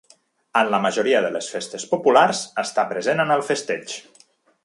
En la majoria de les festes populars està present en el festeig.